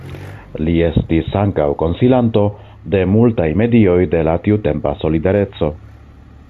Li estis ankaŭ konsilanto de multaj medioj de la tiutempa Solidareco.